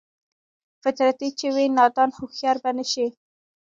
فطرتي چې وي نادان هوښيار به نشي